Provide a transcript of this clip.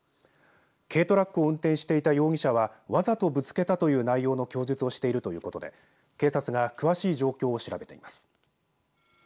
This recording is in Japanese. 軽トラックを運転していた容疑者は、わざとぶつけたという内容の供述をしているということで警察が詳しい状況を調べています。